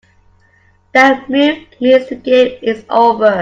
That move means the game is over.